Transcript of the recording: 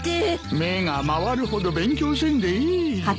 目が回るほど勉強せんでいい。